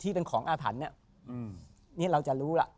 ที่เป็นของอาถรรพ์เนี่ยนี่เราจะรู้ล่ะ